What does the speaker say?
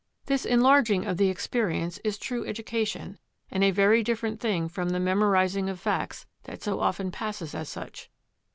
This enlarging of the experience is true education, and a very different thing from the memorising of facts that so often passes as such.